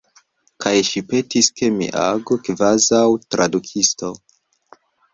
Kaj ŝi petis, ke mi agu kvazaŭ tradukisto.